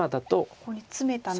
ここにツメたので。